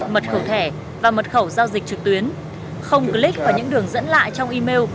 mật khẩu thẻ và mật khẩu giao dịch trực tuyến không click vào những đường dẫn lại trong email